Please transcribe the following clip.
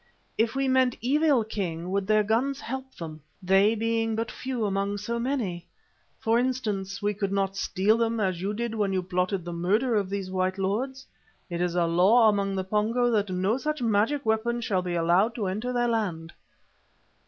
"If we meant evil, King, would their guns help them, they being but few among so many. For instance, could we not steal them, as you did when you plotted the murder of these white lords. It is a law among the Pongo that no such magic weapon shall be allowed to enter their land."